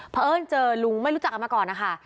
เพราะเอิ้นเจอลุงไม่รู้จักกันมาก่อนนะคะ